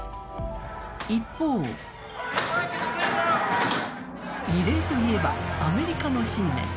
一方異例といえば、アメリカの新年。